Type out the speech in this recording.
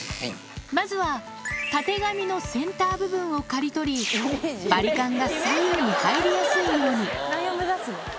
まずはたてがみのセンター部分を刈り取り、バリカンが左右に入りやすいように。